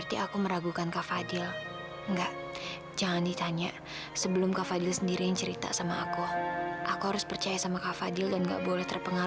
sampai jumpa di video selanjutnya